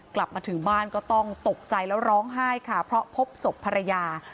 กลับมาถึงบ้านก็ต้องตกใจแล้วร้องไห้ค่ะเพราะพบศพภรรยา